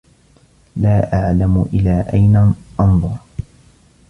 لا أعلم إلى أين أنظر.